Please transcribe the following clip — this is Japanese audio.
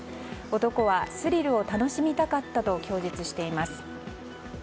男はスリルを楽しみたかったと供述しています。